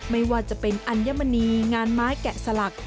ไม่ว่าจะเป็นอัญมณีงานไม้แกะสลัก